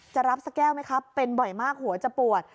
จะรับสักแก้วไหมครับเป็นบ่อยมากหัวจะปวด